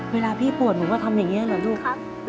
เวลาพี่ปวดมอง่าทำอย่างเองหรอลูก